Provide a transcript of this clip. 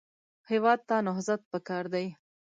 هېواد ته نهضت پکار دی